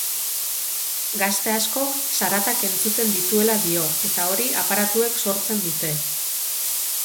Gazte askok zaratak entzuten dituela dio eta hori aparatuek sortzen dute.